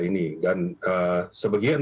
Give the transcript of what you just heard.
ini dan sebagian